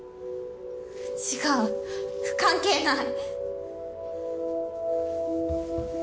違う関係ない。